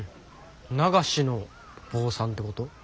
流しの坊さんってこと？